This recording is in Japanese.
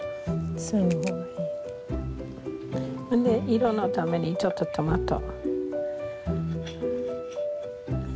色のためにちょっとトマト。ＯＫ。